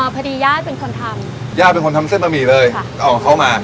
พอดีย่าเป็นคนทำย่าเป็นคนทำเส้นบะหมี่เลยเอาของเขามา